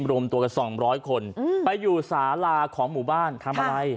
รวมตัวกัน๒๐๐คนไปอยู่สาลาของหมู่บ้านทำอะไร